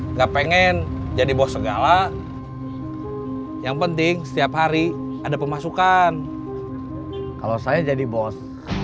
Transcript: enggak pengen jadi bos segala yang penting setiap hari ada pemasukan kalau saya jadi bos